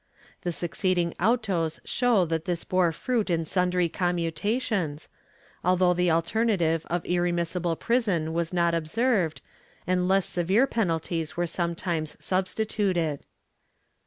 ^ The succeeding autos show that this bore fruit in sundry commutations, although the alternative of irremissible prison was not observed, and less severe penalties were sometimes substituted.